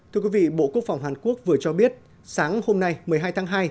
thưa quý vị bộ quốc phòng hàn quốc vừa cho biết sáng hôm nay một mươi hai tháng hai